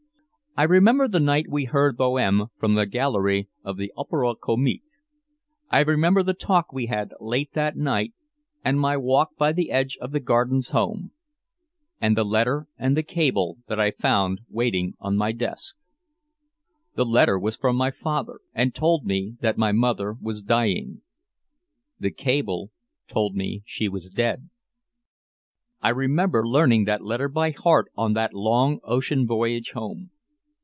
I remember the night we heard "Bohème" from the gallery of the Opéra Comique. I remember the talk we had late that night, and my walk by the edge of the Gardens home and the letter and the cable that I found waiting on my desk. The letter was from my father and told me that my mother was dying. The cable told me she was dead. I remember learning that letter by heart on that long ocean voyage home.